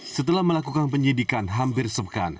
setelah melakukan penyidikan hampir sepekan